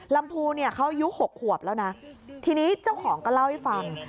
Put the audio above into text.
ลำพูเขายู้๖ควบแล้วทีนี้เจ้าของก็เล่าให้ฟัง